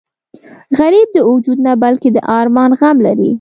غریب د وجود نه بلکې د ارمان غم لري